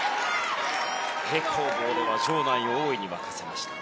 平行棒では場内を大いに沸かせました。